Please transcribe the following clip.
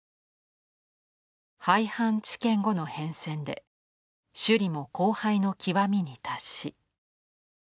「廃藩置県後の変遷で首里も荒廃の極みに達し」。